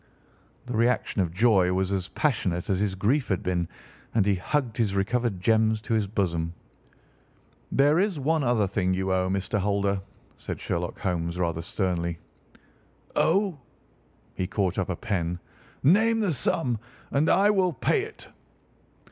The reaction of joy was as passionate as his grief had been, and he hugged his recovered gems to his bosom. "There is one other thing you owe, Mr. Holder," said Sherlock Holmes rather sternly. "Owe!" He caught up a pen. "Name the sum, and I will pay it."